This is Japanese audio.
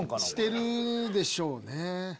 してるでしょうね。